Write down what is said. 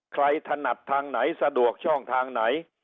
ถนัดทางไหนสะดวกช่องทางไหน